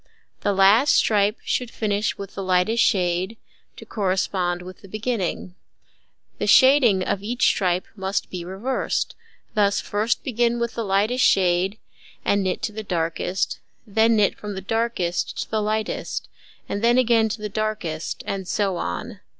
The last stripe should finish with the lightest shade, to correspond with the beginning. The shading of each stripe must be reversed; thus, first begin with the lightest shade and knit to the darkest, then knit from the darkest to the lightest, and then again to the darkest, and so on.